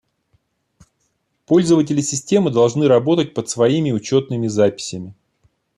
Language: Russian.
Пользователи системы должны работать под своими учетными записями